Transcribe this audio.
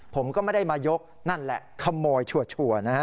ผมก็ไม่ได้มายกนั่นแหละขโมยชัวร์นะฮะ